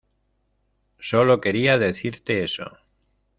Sólo quería decirte eso.